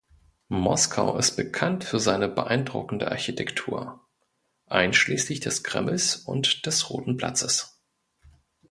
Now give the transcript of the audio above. Moskau ist bekannt für seine beeindruckende Architektur, einschließlich des Kremls und des Roten Platzes.